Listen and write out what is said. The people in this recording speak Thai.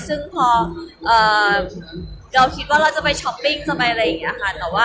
ซึ่งพอเราคิดว่าเราจะไปช้อปปิ้งจะไปอะไรอย่างนี้ค่ะ